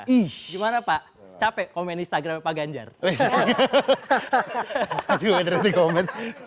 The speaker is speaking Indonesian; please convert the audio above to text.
ish gimana pak capek komen instagram pak ganjar hahaha hahaha hahaha hahaha